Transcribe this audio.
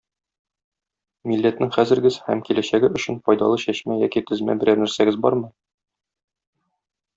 Милләтнең хәзергесе һәм киләчәге өчен файдалы чәчмә яки тезмә берәр нәрсәгез бармы?